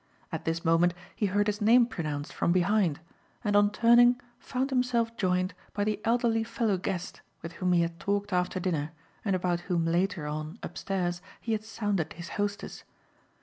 At this moment he heard his name pronounced from behind and on turning found himself joined by the elderly fellow guest with whom he had talked after dinner and about whom later on upstairs he had sounded his hostess.